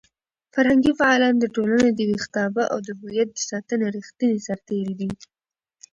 فرهنګي فعالان د ټولنې د ویښتابه او د هویت د ساتنې ریښتیني سرتېري دي.